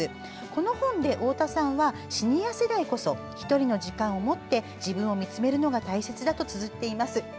この本で、太田さんはシニア世代こそ１人の時間を持って自分を見つめるのが大切だとつづっています。